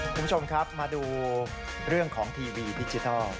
คุณผู้ชมครับมาดูเรื่องของทีวีดิจิทัล